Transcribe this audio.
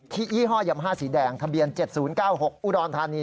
ยี่ห้อยำห้าสีแดงทะเบียน๗๐๙๖อุดรธานี